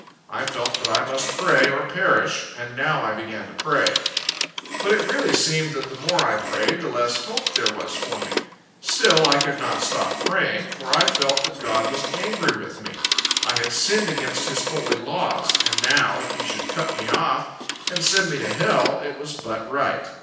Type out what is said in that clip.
I felt that I must pray, or perish; and now I began to pray. But it really seemed, that the more I prayed the less hope there was for me. Still I could not stop praying; for I felt that God was angry with me. I had sinned against his holy laws; and now, if He should cut me off, and send me to hell, it was but right.